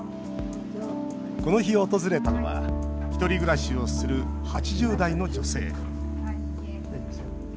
この日、訪れたのはひとり暮らしをする８０代の女性。